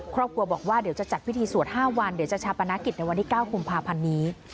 ครอบครัวบอกว่าเดี๋ยวจะจัดพิธีสวด๕วันเดี๋ยวจะชาปนกิจในวันที่๙กุมภาพันธ์นี้